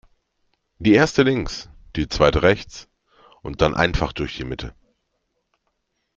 Die Erste links, die Zweite rechts und dann einfach durch die Mitte.